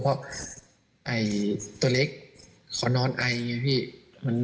เพราะตัวเล็กเขานอนไอนึงเงี้ยพี่